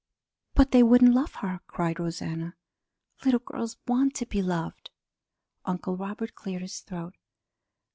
"But they wouldn't love her!" cried Rosanna. "Little girls want to be loved." Uncle Robert cleared his throat.